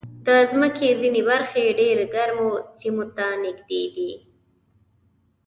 د مځکې ځینې برخې ډېر ګرمو سیمو ته نږدې دي.